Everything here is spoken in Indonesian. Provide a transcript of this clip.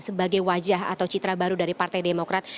sebagai wajah atau citra baru dari partai demokrat